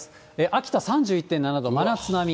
秋田３１．７度、真夏並み。